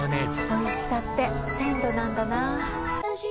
おいしさって鮮度なんだな。